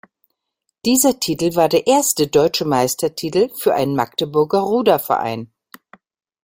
Dieser Titel war der erste Deutsche-Meister-Titel für einen Magdeburger Ruderverein.